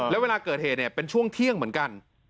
แล้วเวลาเกิดเหตุเนี่ยเป็นช่วงเที่ยงเหมือนกัน